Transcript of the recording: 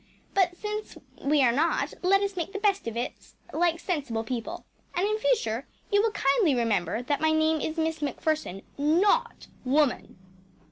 But since we are not, let us make the best of it like sensible people. And in future you will kindly remember that my name is Miss MacPherson, NOT Woman!